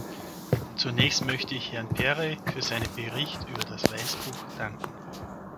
Zunächst möchte ich Herrn Perry für seinen Bericht über das Weißbuch danken.